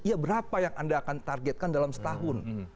ya berapa yang anda akan targetkan dalam setahun